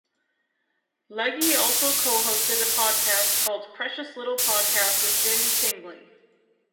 Legge also co-hosted a podcast called "Precious Little Podcast" with James Hingley.